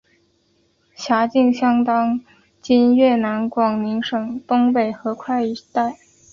辖境相当今越南广宁省东北河桧一带。